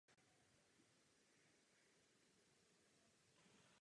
Jeho žákem ve Zlíně byl pozdější profesor Zdeněk Kovář.